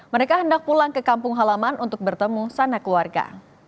mereka hendak pulang ke kampung halaman untuk bertemu sanak keluarga